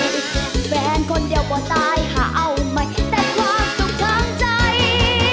มีแฟนคนเดียวก็ตายหาเอาใหม่แต่ความสุขทางใจ